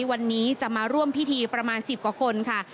วันนี้จะมาร่วมพิธีประมาณ๑๐กว่าคนค่ะ